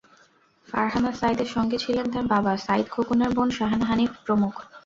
ফারহানা সাঈদের সঙ্গে ছিলেন তাঁর বাবা, সাঈদ খোকনের বোন শাহানা হানিফ প্রমুখ।